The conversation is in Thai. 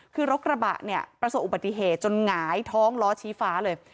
คือรถกระบะเนี่ยประสบอุบัติเหตุจนหงายท้องล้อชี้ฟ้าเลย